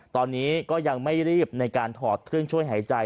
ตอนนี้ก็ยังไม่รีบในการถอดเครื่องช่วยหายใจ